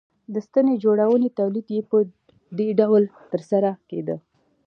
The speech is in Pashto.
د ستنې جوړونې تولید یې په دې ډول ترسره کېده